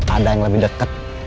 ada yang lebih deket